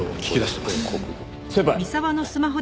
先輩！